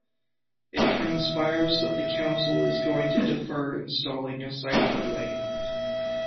It transpires that the council is going to defer installing a cycle lane.